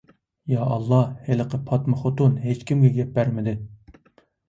يائاللا، ھېلىقى پاتمىخوتۇن ھېچكىمگە گەپ بەرمىدى.